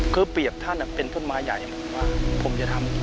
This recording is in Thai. คือเปรียบท่านเป็นต้นไม้ใหญ่ว่าผมจะทำ